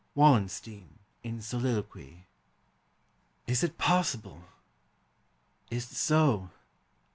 Wallenstein (in soliloquy). Is it possible? Is'tso?